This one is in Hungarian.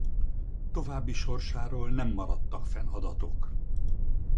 További sorsáról nem maradtak fenn adatok.